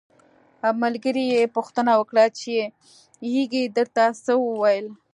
ملګري یې پوښتنه وکړه چې یږې درته څه وویل.